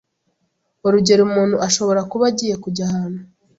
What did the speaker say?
Urugero umuntu ashobora kuba agiye kujya ahantu